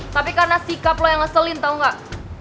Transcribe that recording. tapi karena sikap lo yang ngeselin tau gak